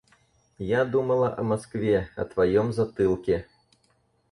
Я думала о Москве, о твоем затылке.